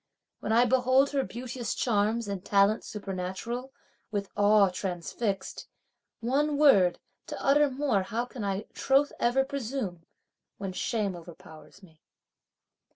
When I behold her beauteous charms and talents supernatural, with awe transfixed, One word, to utter more how can I troth ever presume, when shame overpowers me.